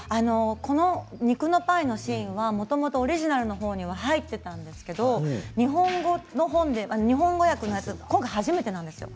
この肉のパイのシーンはもともとオリジナルのほうには入っていたんですけど日本語訳では今回、初めてなんですよ。